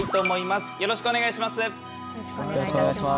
よろしくお願いします。